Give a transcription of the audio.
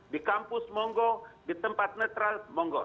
di kampus munggo di tempat netral munggo